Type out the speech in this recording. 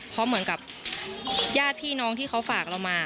เพราะเหมือนกับญาติพี่น้องที่เขาฝากเรามา